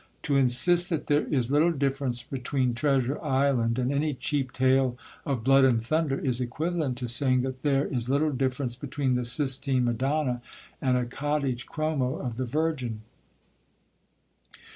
To insist that there is little difference between Treasure Island and any cheap tale of blood and thunder, is equivalent to saying that there is little difference between the Sistine Madonna and a cottage chromo of the Virgin.